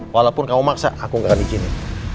walaupun kamu maksa aku gak akan izinnya